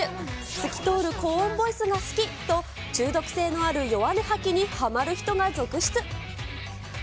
透き通る高音ボイスが好きと、中毒性のあるヨワネハキにはまる人が続出。